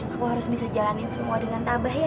aku harus bisa jalanin semua dengan tabah ya